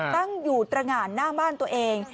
ตั้งอยู่ตรงานหน้าบ้านตัวเอง